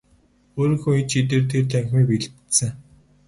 Өөрийнхөө ид шидээр тэр танхимыг илбэдсэн.